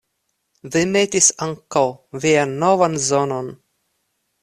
Vi metis ankaŭ vian novan zonon!